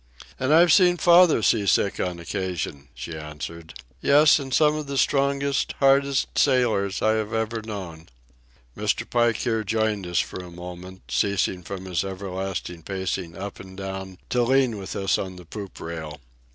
"And I've seen father sea sick on occasion," she answered. "Yes, and some of the strongest, hardest sailors I have ever known." Mr. Pike here joined us for a moment, ceasing from his everlasting pacing up and down to lean with us on the poop rail.